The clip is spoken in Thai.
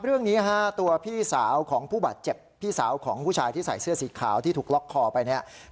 เรื่องนี้ฮะตัวพี่สาวของผู้บาดเจ็บพี่สาวของผู้ชายที่ใส่เสื้อสีขาวที่ถูกล็อกคอไปเนี่ย